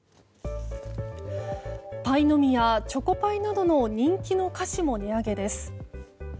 パイの実やチョコパイなどの人気の菓子も値上げです。